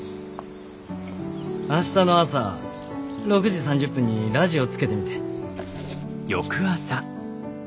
明日の朝６時３０分にラジオつけてみて。